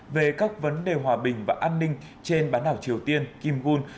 về các vấn đề hòa bình và an ninh trên bán đảo triều tiên kim gun